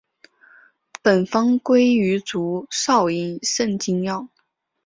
本方归于足少阴肾经药。